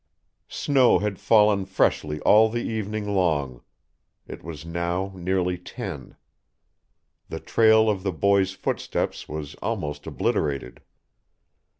Snow had fallen freshly all the evening long; it was now nearly ten; the trail of the boy's footsteps was almost obliterated.